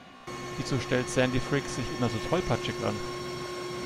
Wieso stellt Sandy Frick sich immer so tollpatschig an?